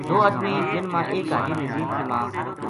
دو ادمی جن ما ایک حاجی نزیر کی ماں